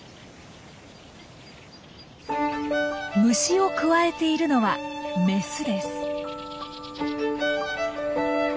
虫をくわえているのはメスです。